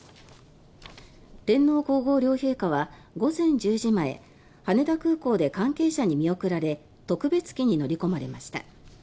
天皇・皇后両陛下は午前１０時前羽田空港で関係者に見送られ特別機に乗り込まれました。